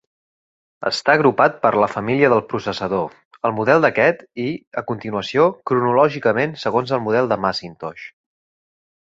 Està agrupat per la família del processador, el model d'aquest i, a continuació, cronològicament segons el model de Macintosh.